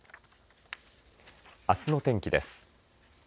あすの天気です。